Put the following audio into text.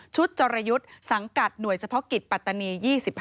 จรยุทธ์สังกัดหน่วยเฉพาะกิจปัตตานี๒๕